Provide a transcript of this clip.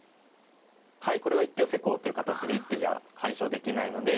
はいこれは一手ヨセコウという形で一手じゃ解消できないので。